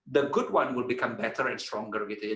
tapi orang yang baik akan menjadi lebih baik dan lebih kuat